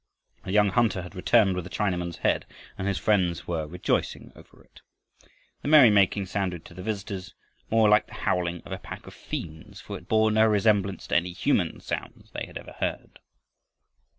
A young hunter had returned with a Chinaman's head, and his friends were rejoicing over it. The merrymaking sounded to the visitors more like the howling of a pack of fiends, for it bore no resemblance to any human sounds they had ever heard.